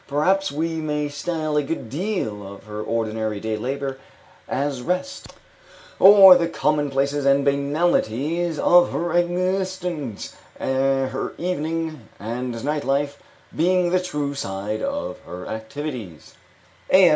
Perhaps we may style a good deal of her ordinary day labor as rest, or the commonplaces and banalities of her existence, her evening and night life being the true side of her activities" (A.